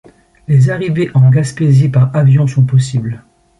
Les arrivées en Gaspésie par avion sont possibles.